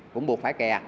cũng buộc phải kè